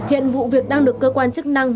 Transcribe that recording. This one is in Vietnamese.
hiện vụ việc đang được cơ quan chức năng